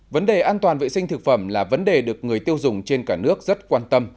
vấn đề an toàn vệ sinh thực phẩm là vấn đề được người tiêu dùng trên cả nước rất quan tâm